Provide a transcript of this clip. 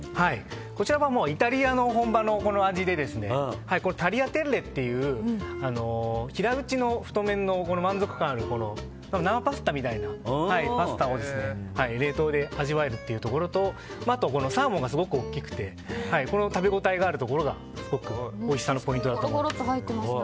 こちらはイタリアの本場の味でタリアテッレという平打ちの太麺の満足感ある生パスタみたいなパスタを冷凍で味わえるというところとあと、サーモンがすごく大きくて食べ応えがあるところがおいしさのポイントだと思います。